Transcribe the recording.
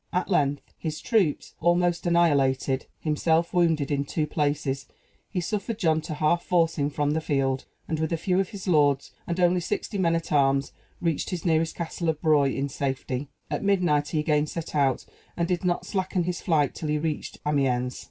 At length his troops almost annihilated, himself wounded in two places he suffered John to half force him from the field; and, with a few of his lords, and only sixty men at arms, reached his nearest castle of Broye in safety. At midnight he again set out, and did not slacken his flight till he reached Amiens.